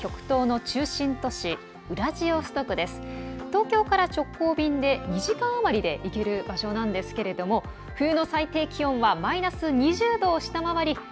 東京から直行便で２時間余りで行ける場所なんですが冬の最低気温はマイナス２０度を下回り